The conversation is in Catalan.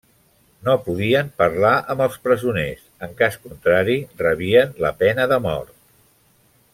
No podien parlar amb els presoners; en cas contrari rebien la pena de mort.